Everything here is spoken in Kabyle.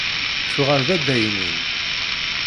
Tuɣal d addaynin.